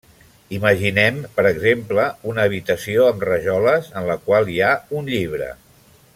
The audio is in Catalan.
Imaginem, per exemple, una habitació amb rajoles en la qual hi ha un llibre.